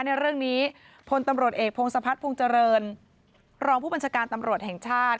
ในเรื่องนี้พลตำรวจเอกพงศพัฒนภงเจริญรองผู้บัญชาการตำรวจแห่งชาติ